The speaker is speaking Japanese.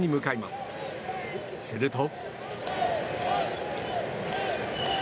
すると。